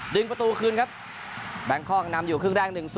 ดึงประตูคืนครับแบงคอกนำอยู่ครึ่งแรก๑๐